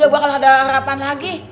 bakal ada harapan lagi